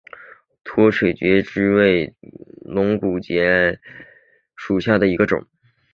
墨脱节肢蕨为水龙骨科节肢蕨属下的一个种。